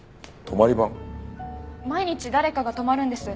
毎日誰かが泊まるんです。